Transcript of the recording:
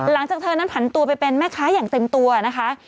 หลังจากเธอนั้นผันตัวไปเป็นแม่ค้าอย่างเต็มตัวนะคะ